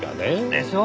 でしょ？